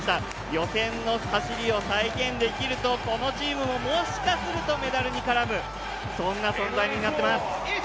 予選での走りを再現できるとこのチームももしかしたらメダルに絡むそんな存在になっています。